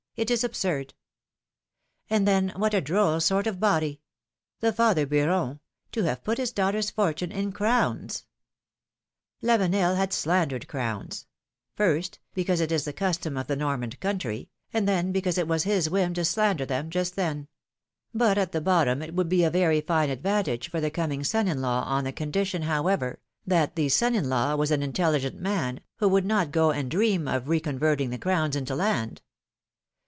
It is absurd ! And then what a droll sort of body — the father Beuron — to have put his daughter's fortune in crowns I Lavenel had slandered crowns; first, because it is the custom of the Xormand country, and then because it was his whim to slander them just then; but at the bottom it would be a very fine advantage for the coming son in law, 128 philom^ine's maeriages. on the condition, however, that the son in law was an intelligent man, who w^ould not go and dream of recon verting the crowns into land